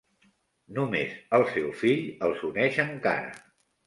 Només el seu fill els uneix encara.